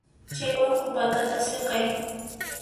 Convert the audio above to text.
Chay urqu patata siqay.